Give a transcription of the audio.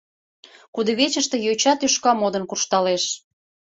Кудывечыште йоча тӱшка модын куржталеш.